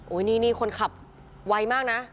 นี่คนขับไวมากนะ